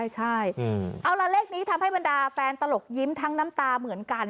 ใช่เอาละเลขนี้ทำให้บรรดาแฟนตลกยิ้มทั้งน้ำตาเหมือนกัน